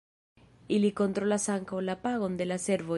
Ili kontrolas ankaŭ la pagon de la servoj.